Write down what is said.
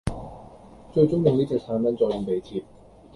最終用呢隻產品再用鼻貼